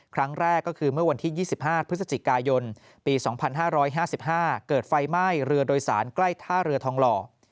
ครั้งแรกก็คือเมื่อวันที่๒๕พฤศจิกายนปี๒๕๕๕เกิดไฟไหม้เรือโดยสารใกล้ท่าเรือทองหล่อ